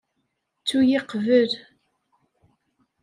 Ttu-yi qebleɣ.